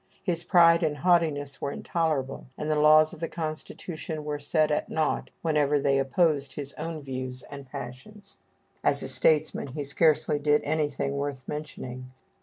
His pride and haughtiness were intolerable, and the laws of the constitution were set at nought whenever they opposed his own views and passions. As a statesman he scarcely did anything worth mentioning.